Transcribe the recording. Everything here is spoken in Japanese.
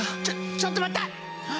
ちょちょっと待った！